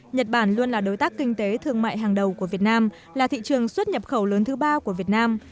nhật bản luôn là đối tác kinh tế thương mại hàng đầu của việt nam là thị trường xuất nhập khẩu lớn thứ ba của việt nam